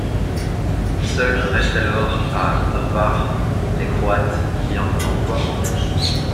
Seuls restent alors à Drvar les Croates ayant un emploi en ville.